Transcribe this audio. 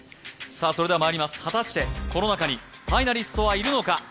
それではまいります、果たしてこの中にファイナリストはいるのか？